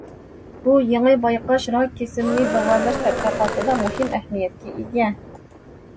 بۇ يېڭى بايقاش راك كېسىلىنى داۋالاش تەتقىقاتىدا مۇھىم ئەھمىيەتكە ئىگە.